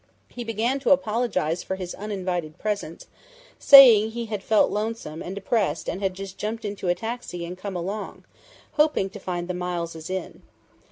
He began to apologize for his uninvited presence, saying he had felt lonesome and depressed and had just 'jumped into a taxi' and come along, hoping to find the Mileses in.